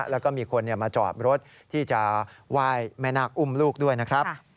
แล้วก็มีคนมาจอดรถที่จะไหว้แม่นาคอุ้มลูกด้วยนะครับ